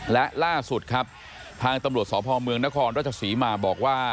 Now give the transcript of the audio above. และล่าสุดครับทางตำรวจสพเมืองนครราชศรีมาบอกว่า